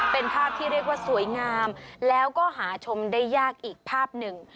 เป็นภาพที่เรียกว่าสวยงามแล้วก็หาชมได้ยากอีกภาพหนึ่ง